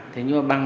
thế nhưng mà bằng